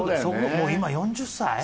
もう今４０歳？